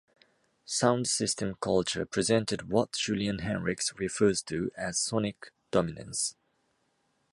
Sound system culture presented what Julian Henriques refers to as sonic dominance.